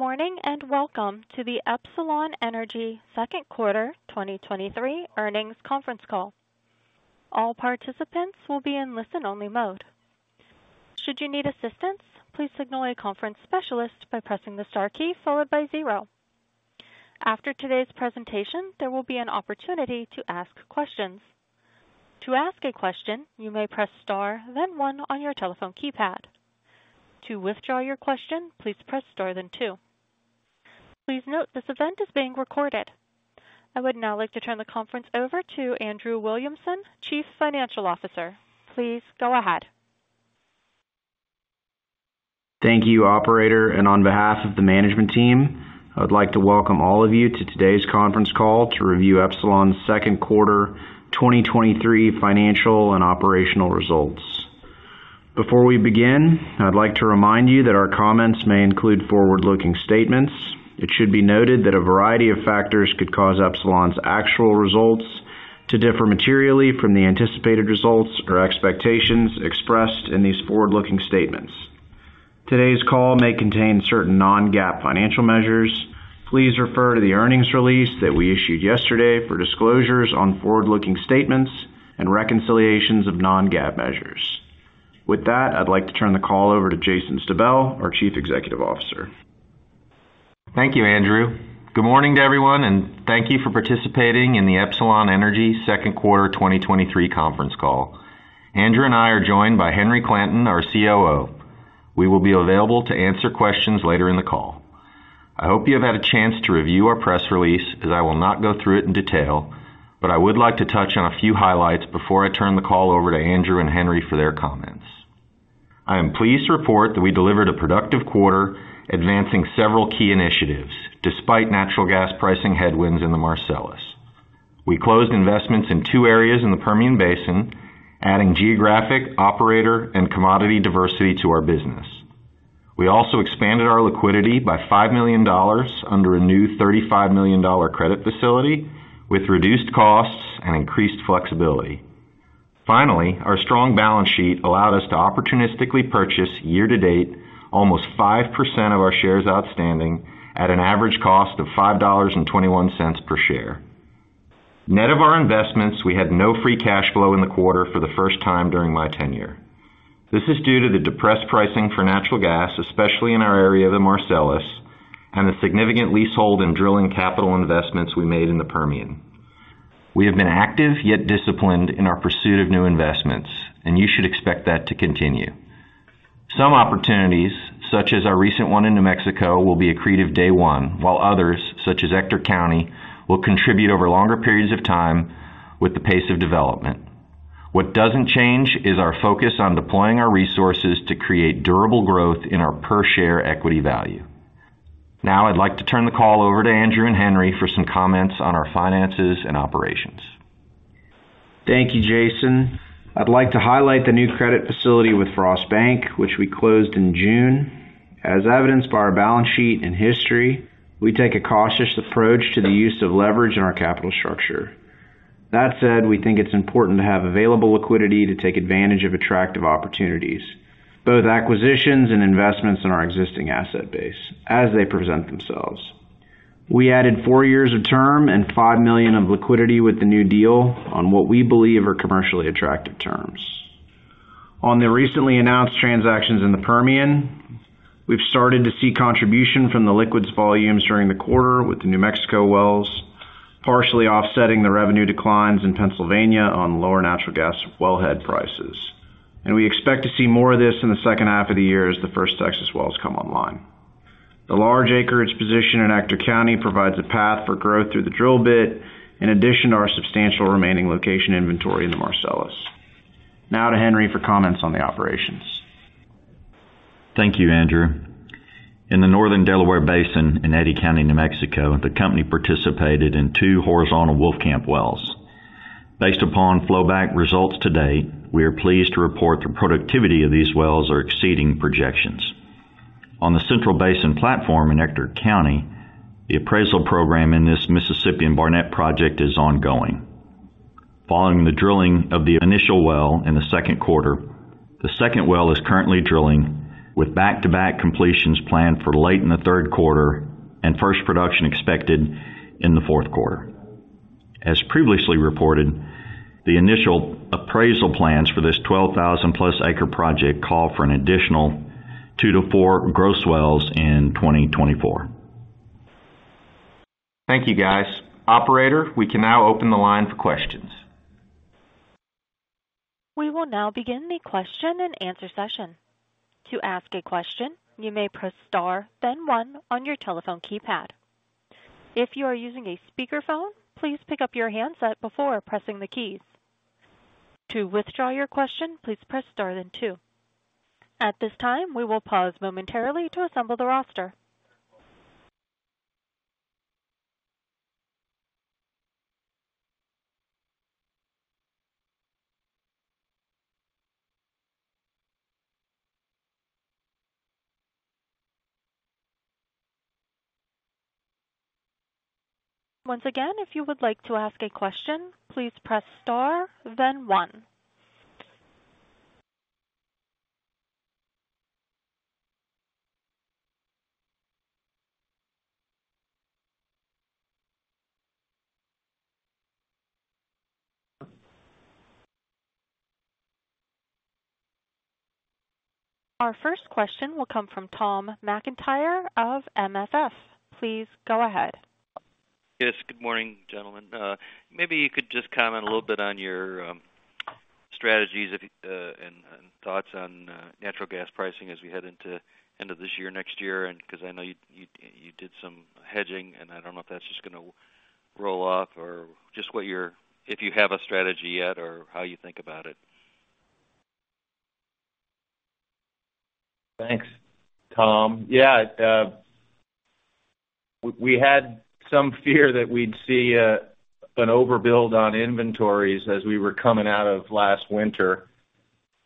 Good morning, welcome to the Epsilon Energy Second Quarter 2023 Earnings Conference Call. All participants will be in listen-only mode. Should you need assistance, please signal a conference specialist by pressing the Star key followed by zero. After today's presentation, there will be an opportunity to ask questions. To ask a question, you may press Star, then one on your telephone keypad. To withdraw your question, please press Star, then two. Please note, this event is being recorded. I would now like to turn the conference over to Andrew Williamson, Chief Financial Officer. Please go ahead. Thank you, operator, and on behalf of the management team, I would like to welcome all of you to today's conference call to review Epsilon's second quarter 2023 financial and operational results. Before we begin, I'd like to remind you that our comments may include forward-looking statements. It should be noted that a variety of factors could cause Epsilon's actual results to differ materially from the anticipated results or expectations expressed in these forward-looking statements. Today's call may contain certain non-GAAP financial measures. Please refer to the earnings release that we issued yesterday for disclosures on forward-looking statements and reconciliations of non-GAAP measures. With that, I'd like to turn the call over to Jason Stabell, our Chief Executive Officer. Thank you, Andrew. Good morning to everyone, thank you for participating in the Epsilon Energy Second Quarter 2023 conference call. Andrew and I are joined by Henry Clanton, our COO. We will be available to answer questions later in the call. I hope you have had a chance to review our press release, as I will not go through it in detail, I would like to touch on a few highlights before I turn the call over to Andrew and Henry for their comments. I am pleased to report that we delivered a productive quarter, advancing several key initiatives, despite natural gas pricing headwinds in the Marcellus. We closed investments in two areas in the Permian Basin, adding geographic, operator, and commodity diversity to our business. We also expanded our liquidity by $5 million under a new $35 million credit facility, with reduced costs and increased flexibility. Finally, our strong balance sheet allowed us to opportunistically purchase, year to date, almost 5% of our shares outstanding at an average cost of $5.21 per share. Net of our investments, we had no free cash flow in the quarter for the first time during my tenure. This is due to the depressed pricing for natural gas, especially in our area of the Marcellus, and the significant leasehold and drilling capital investments we made in the Permian. We have been active, yet disciplined in our pursuit of new investments, you should expect that to continue. Some opportunities, such as our recent one in New Mexico, will be accretive day one, while others, such as Ector County, will contribute over longer periods of time with the pace of development. What doesn't change is our focus on deploying our resources to create durable growth in our per-share equity value. Now, I'd like to turn the call over to Andrew and Henry for some comments on our finances and operations. Thank you, Jason. I'd like to highlight the new credit facility with Frost Bank, which we closed in June. As evidenced by our balance sheet and history, we take a cautious approach to the use of leverage in our capital structure. That said, we think it's important to have available liquidity to take advantage of attractive opportunities, both acquisitions and investments in our existing asset base as they present themselves. We added four years of term and $5 million of liquidity with the new deal on what we believe are commercially attractive terms. On the recently announced transactions in the Permian, we've started to see contribution from the liquids volumes during the quarter with the New Mexico wells, partially offsetting the revenue declines in Pennsylvania on lower natural gas wellhead prices. We expect to see more of this in the second half of the year as the first Texas wells come online. The large acreage position in Ector County provides a path for growth through the drill bit, in addition to our substantial remaining location inventory in the Marcellus. Now to Henry for comments on the operations. Thank you, Andrew. In the Northern Delaware Basin in Eddy County, New Mexico, the company participated in two horizontal Wolfcamp wells. Based upon flowback results to date, we are pleased to report the productivity of these wells are exceeding projections. On the Central Basin Platform in Ector County, the appraisal program in this Mississippian Barnett project is ongoing. Following the drilling of the initial well in the second quarter, the second well is currently drilling, with back-to-back completions planned for late in the third quarter and first production expected in the fourth quarter. As previously reported, the initial appraisal plans for this 12,000+ acre project call for an additional two to four gross wells in 2024. Thank you, guys. Operator, we can now open the line for questions. We will now begin the question and answer session. To ask a question, you may press star, then one on your telephone keypad. If you are using a speakerphone, please pick up your handset before pressing the keys. To withdraw your question, please press star, then two. At this time, we will pause momentarily to assemble the roster. Once again, if you would like to ask a question, please press star, then one. Our first question will come from Tom McIntyre of MFF. Please go ahead. Yes, good morning, gentlemen. Maybe you could just comment a little bit on your strategies, and, and thoughts on natural gas pricing as we head into end of this year, next year, and because I know you, you, you did some hedging, and I don't know if that's just gonna roll off or just if you have a strategy yet or how you think about it? Thanks, Tom. Yeah, we had some fear that we'd see an overbuild on inventories as we were coming out of last winter,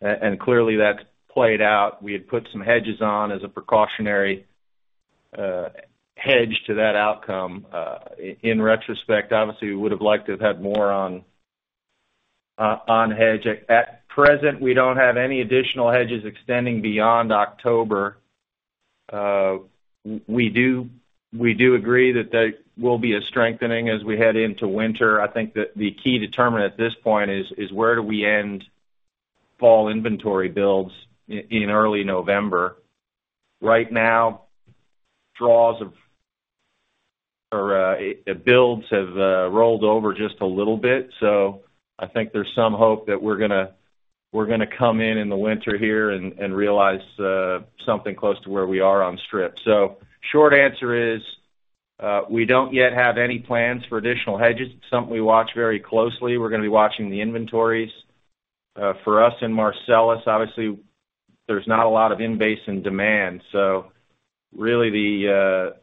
and clearly, that's played out. We had put some hedges on as a precautionary hedge to that outcome. In retrospect, obviously, we would have liked to have had more on hedge. At present, we don't have any additional hedges extending beyond October. We do, we do agree that there will be a strengthening as we head into winter. I think that the key determinant at this point is, is where do we end fall inventory builds in early November? Right now, draws have or, builds have rolled over just a little bit, so I think there's some hope that we're gonna, we're gonna come in in the winter here and, and realize something close to where we are on strip. Short answer is, we don't yet have any plans for additional hedges. It's something we watch very closely. We're going to be watching the inventories. For us in Marcellus, obviously, there's not a lot of in-basin demand, so really, the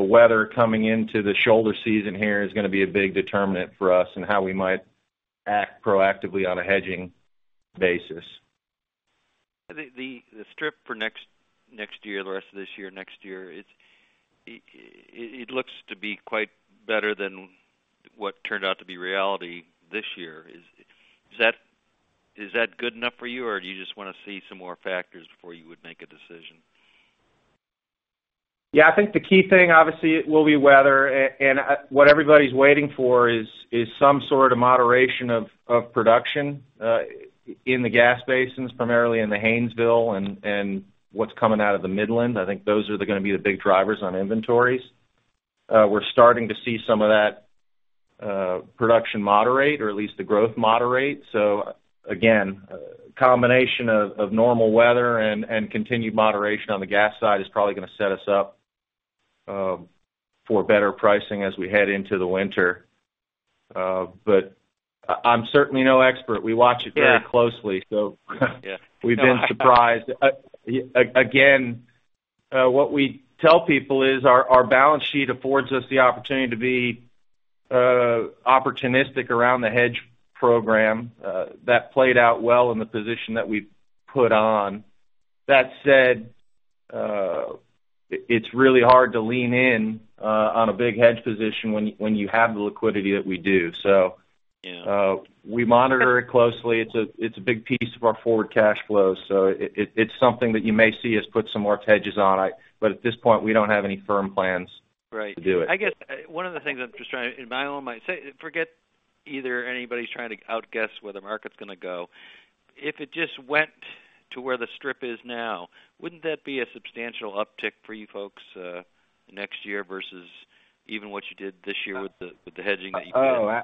weather coming into the shoulder season here is going to be a big determinant for us and how we might act proactively on a hedging basis. The strip for next, next year, the rest of this year, next year, it's, it looks to be quite better than what turned out to be reality this year. Is, is that, is that good enough for you, or do you just want to see some more factors before you would make a decision? Yeah, I think the key thing, obviously, will be weather. What everybody's waiting for is, is some sort of moderation of, of production, in the gas basins, primarily in the Haynesville and, and what's coming out of the Midland. I think those are the going to be the big drivers on inventories. We're starting to see some of that, production moderate, or at least the growth moderate. Again, a combination of, of normal weather and, and continued moderation on the gas side is probably going to set us up, for better pricing as we head into the winter. I'm certainly no expert. We watch it very closely. Yeah. We've been surprised. Again, what we tell people is our balance sheet affords us the opportunity to be opportunistic around the hedge program. That played out well in the position that we put on. That said, it's really hard to lean in on a big hedge position when, when you have the liquidity that we do. Yeah. We monitor it closely. It's a, it's a big piece of our forward cash flow, so it, it, it's something that you may see us put some more hedges on. At this point, we don't have any firm plans. Right. -to do it. I guess one of the things I'm just trying to, in my own mind, say, forget either anybody's trying to outguess where the market's going to go. If it just went to where the strip is now, wouldn't that be a substantial uptick for you folks, next year versus even what you did this year with the, with the hedging that you did? Oh,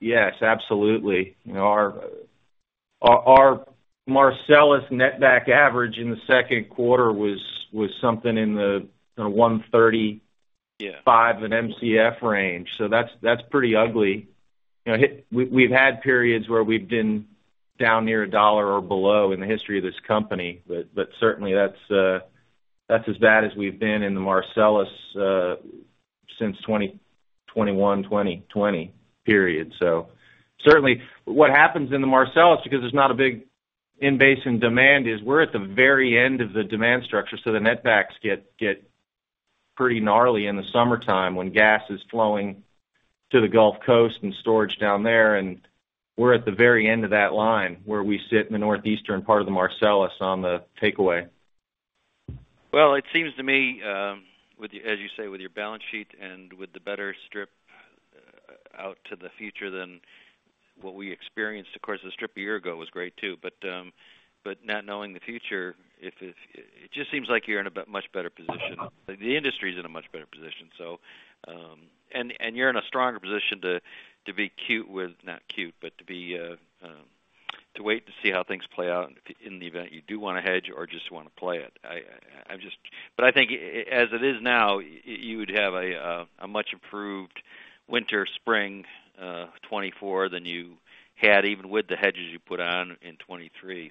yes, absolutely. You know, our, our Marcellus netback average in the second quarter was, was something in the, the $130-. Yeah. Five in MCF range, so that's, that's pretty ugly. You know, we, we've had periods where we've been down near $1 or below in the history of this company, but, but certainly that's, that's as bad as we've been in the Marcellus, since 2021, 2020 period. Certainly, what happens in the Marcellus, because there's not a big in-basin demand, is we're at the very end of the demand structure, so the netbacks get, get pretty gnarly in the summertime when gas is flowing to the Gulf Coast and storage down there. We're at the very end of that line, where we sit in the northeastern part of the Marcellus on the takeaway. Well, it seems to me, with the, as you say, with your balance sheet and with the better strip out to the future than what we experienced, of course, the strip a year ago was great, too. Not knowing the future, if... It just seems like you're in a much better position. The industry is in a much better position. And you're in a stronger position to, to be cute with, not cute, but to be, to wait to see how things play out in the event you do want to hedge or just want to play it. I'm just. I think as it is now, you would have a much improved winter, spring, 2024 than you had, even with the hedges you put on in 2023.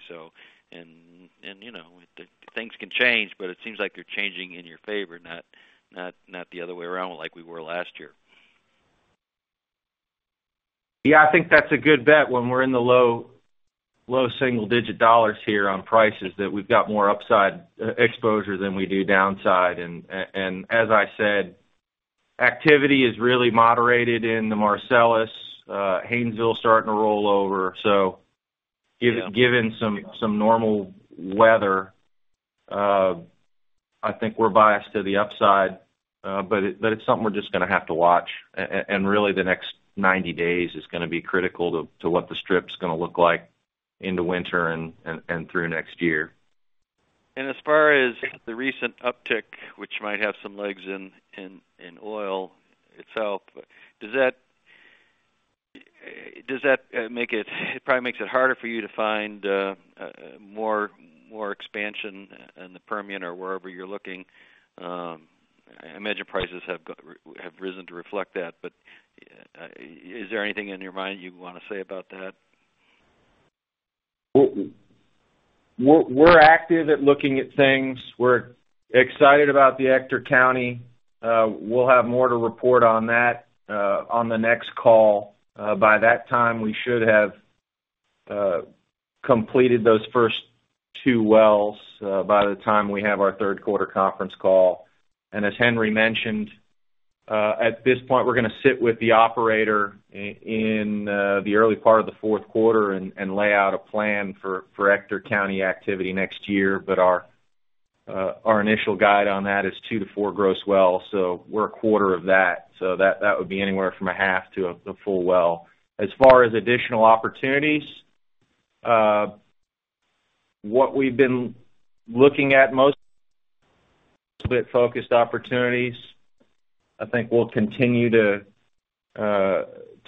You know, things can change, but it seems like they're changing in your favor, not, not, not the other way around, like we were last year. Yeah, I think that's a good bet when we're in the low, low single-digit dollars here on prices, that we've got more upside exposure than we do downside. As I said, activity is really moderated in the Marcellus, Haynesville starting to roll over. Given some normal weather, I think we're biased to the upside, but it's something we're just gonna have to watch. Really, the next 90 days is gonna be critical to what the strip's gonna look like in the winter and through next year. As far as the recent uptick, which might have some legs in, in, in oil itself, but does that, does that make it-- it probably makes it harder for you to find, more, more expansion in the Permian or wherever you're looking? I imagine prices have got-- have risen to reflect that, but, is there anything in your mind you want to say about that? We're, we're active at looking at things. We're excited about the Ector County. We'll have more to report on that on the next call. By that time, we should have completed those first two wells by the time we have our third quarter conference call. As Henry mentioned, at this point, we're gonna sit with the operator in the early part of the fourth quarter and lay out a plan for Ector County activity next year. Our initial guide on that is two to four gross wells, so we're a quarter of that. That would be anywhere from a half to a full well. As far as additional opportunities, what we've been looking at most, bit focused opportunities, I think we'll continue to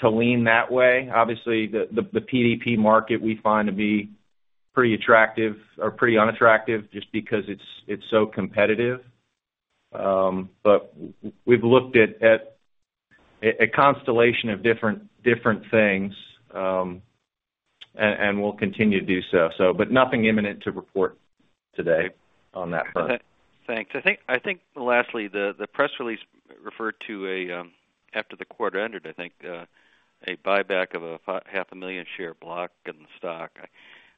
lean that way. Obviously, the, the PDP market, we find to be pretty attractive or pretty unattractive just because it's, it's so competitive. We've looked at, at a, a constellation of different, different things, and, and we'll continue to do so. Nothing imminent to report today on that front. Thanks. I think, I think lastly, the, the press release referred to a, after the quarter ended, I think, a buyback of a 500,000 share block in the stock. I,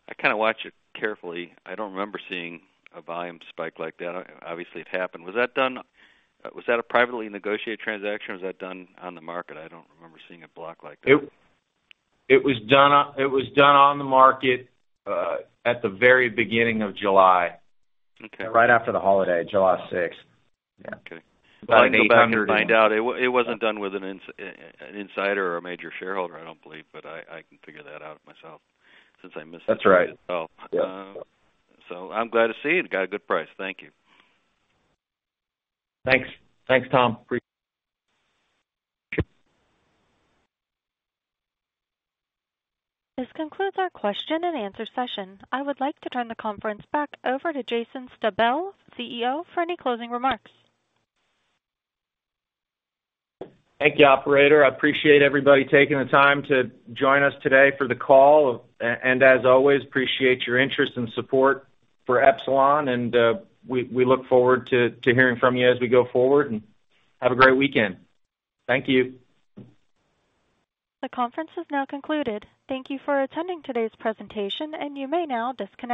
I kind of watch it carefully. I don't remember seeing a volume spike like that. Obviously, it happened. Was that done, was that a privately negotiated transaction, or was that done on the market? I don't remember seeing a block like that. It was done on the market, at the very beginning of July. Okay. Right after the holiday, July 6th. Okay. About 800 Find out it, it wasn't done with an insider or a major shareholder, I don't believe, but I can figure that out myself since I missed it. That's right. Oh. Yeah. I'm glad to see it. Got a good price. Thank you. Thanks. Thanks, Tom. This concludes our question and answer session. I would like to turn the conference back over to Jason Stabell, CEO, for any closing remarks. Thank you, operator. I appreciate everybody taking the time to join us today for the call. As always, appreciate your interest and support for Epsilon, and we, we look forward to, to hearing from you as we go forward, and have a great weekend. Thank you. The conference is now concluded. Thank you for attending today's presentation, and you may now disconnect.